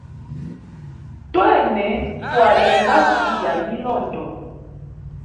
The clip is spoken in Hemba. Twene twalie ngazi ya milondo.